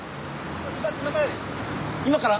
今から？